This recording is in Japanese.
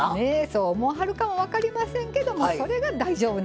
そう思わはるかも分かりませんけどもそれが大丈夫なんですよ。